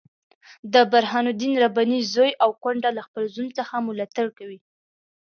د برهان الدین رباني زوی او کونډه له خپل زوم څخه ملاتړ کوي.